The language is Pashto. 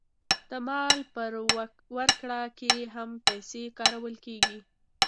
د مال په ورکړه کې هم پیسې کارول کېږي